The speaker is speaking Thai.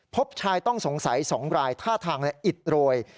พบชายต้องสงสัย๒รายท่าทางอิดโรย